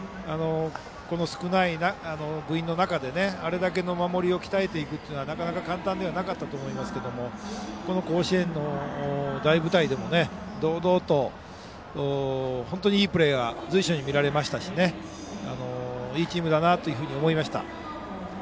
この少ない部員の中であれだけの守りを鍛えていくというのはなかなか簡単ではなかったと思いますがこの甲子園の大舞台でも堂々と本当にいいプレーが随所に見られましたしいいチームだなと思いました。